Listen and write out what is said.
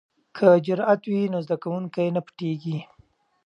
که جرئت وي نو زده کوونکی نه پټیږي.